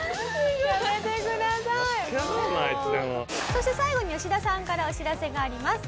そして最後に吉田さんからお知らせがあります。